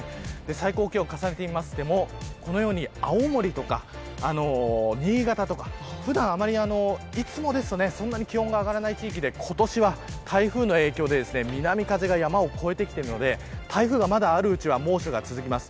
最高気温を重ねても、このように青森とか新潟とか普段あまり、いつもですとそんなに気温が上がらない地域で今年は台風の影響で、南風が山を越えてきているので台風がまだあるうちは猛暑が続きます。